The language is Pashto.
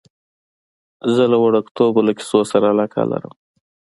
زه له وړکتوبه له کیسو سره علاقه لرم.